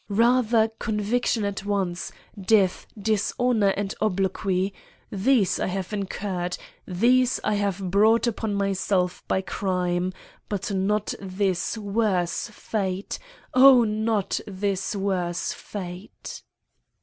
Rather conviction at once, death, dishonor, and obloquy. These I have incurred. These I have brought upon myself by crime, but not this worse fate—oh! not this worse fate."